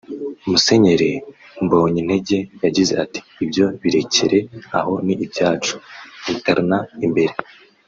Musenyeri Mbonyintege yagize ati “Ibyo birekere aho ni ibyacu interne (imbere)